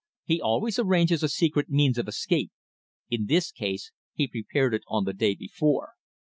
He always arranges a secret means of escape. In this case he prepared it on the day before.